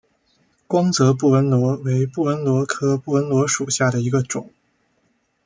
光泽布纹螺为布纹螺科布纹螺属下的一个种。